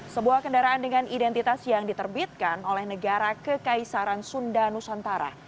sebuah kendaraan dengan identitas yang diterbitkan oleh negara kekaisaran sunda nusantara